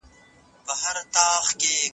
موږ باید له انټرنیټ سره احتیاط وکړو.